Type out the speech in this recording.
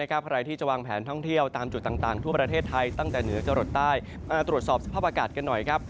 ใครที่จะวางแผนท่องเที่ยวตามจุดต่างทั่วประเทศไทย